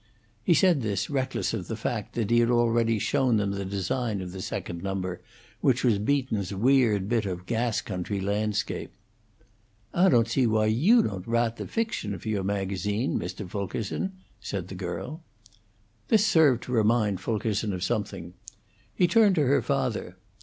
He said this reckless of the fact that he had already shown them the design of the second number, which was Beaton's weird bit of gas country landscape. "Ah don't see why you don't wrahte the fiction for your magazine, Mr. Fulkerson," said the girl. This served to remind Fulkerson of something. He turned to her father.